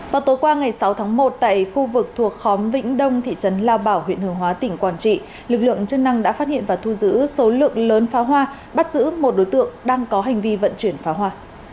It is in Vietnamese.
vào tối qua ngày sáu tháng một tại khu vực thuộc khóm vĩnh đông thị trấn lao bảo huyện hướng hóa tỉnh quảng trị lực lượng chức năng đã phát hiện và thu giữ số lượng lớn pháo hoa bắt giữ một đối tượng đang có hành vi vận chuyển pháo hoa